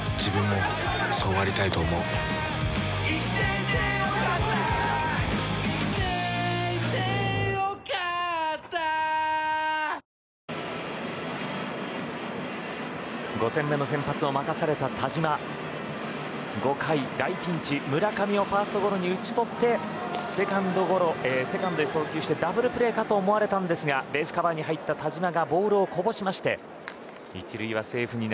村上は抑えたんですが５戦目の先発を任された田嶋５回、大ピンチ、村上をファーストゴロに打ち取ってセカンドへ送球してダブルプレーかと思われましたがベースカバーに入った田嶋がボールをこぼして１塁セーフ。